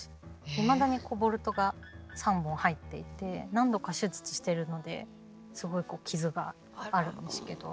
いまだにボルトが３本入っていて何度か手術してるのですごいこう傷があるんですけど。